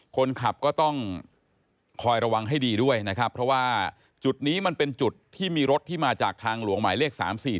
คนขับก็ต้องคอยระวังให้ดีด้วยนะครับเพราะว่าจุดนี้มันเป็นจุดที่มีรถที่มาจากทางหลวงหมายเลข๓๔